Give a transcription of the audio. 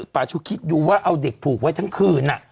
ป่าชุคิดดูว่าเอาเด็กผูกไว้ทั้งคืน